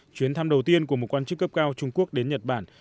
chuyến thăm đầu tiên của một quan chức cấp cao trung quốc đến nhật bản